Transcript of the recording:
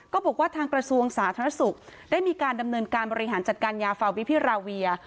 บอกว่าทางกระทรวงสาธารณสุขได้มีการดำเนินการบริหารจัดการยาฟาวิพิราเวีย